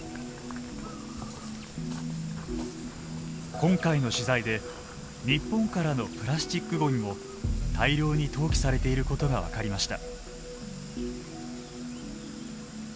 今回の取材で日本からのプラスチックごみも大量に投棄されていることが分かりました。